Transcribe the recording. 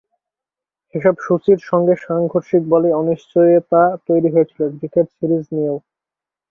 সেসব সূচির সঙ্গে সাংঘর্ষিক বলে অনিশ্চয়তা তৈরি হয়েছিল ক্রিকেট সিরিজ নিয়েও।